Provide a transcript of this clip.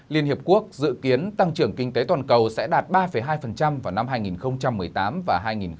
liên hiệp quốc dự kiến tăng trưởng kinh tế toàn cầu sẽ đạt ba hai vào năm hai nghìn một mươi tám và hai nghìn hai mươi